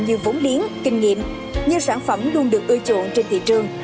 như vốn điến kinh nghiệm nhiều sản phẩm luôn được ưa chuộng trên thị trường